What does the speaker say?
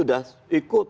kalau pks sudah ikut